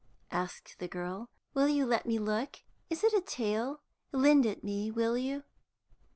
asked the girl. "Will you let me look? Is it a tale? Lend it me; will you?"